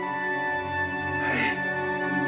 はい。